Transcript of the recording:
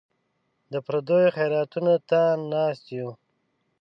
د پردیو خیراتونو ته ناست یو.